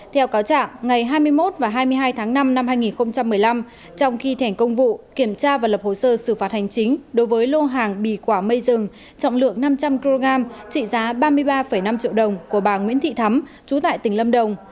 theo cáo trạng ngày hai mươi một và hai mươi hai tháng năm năm hai nghìn một mươi năm trong khi thèn công vụ kiểm tra và lập hồ sơ xử phạt hành chính đối với lô hàng bì quả mây rừng trọng lượng năm trăm linh kg trị giá ba mươi ba năm triệu đồng của bà nguyễn thị thắm chú tại tỉnh lâm đồng